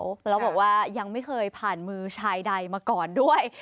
แล้วบอกว่ายังไม่เคยผ่านมือชายใดมาก่อนด้วย